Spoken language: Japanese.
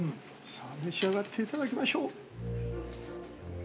さあ召し上がっていただきましょう。